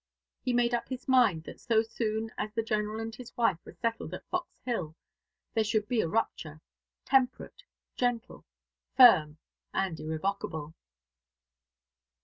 He made up his mind that so soon as the General and his wife were settled at Fox Hill there should be a rupture temperate, gentle, firm, and irrevocable.